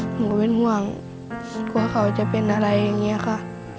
หนูก็เป็นห่วงกลัวเขาจะเป็นอะไรอย่างนี้ค่ะ